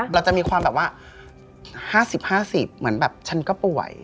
เราจะมีความแบบว่า๕๐๕๐เหมือนแบบฉันก็ป่วย